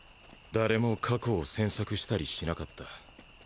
誰も過去を詮索したりしなかった。